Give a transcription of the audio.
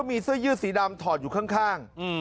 ที่หลัง